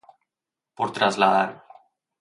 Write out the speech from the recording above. Por trasladar.